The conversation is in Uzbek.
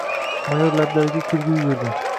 Mayor lablariga kulgi yugurib: